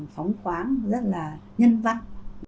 phóng khoáng rất là nhân văn